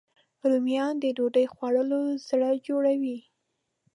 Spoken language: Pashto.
رومیان د ډوډۍ خوړلو زړه جوړوي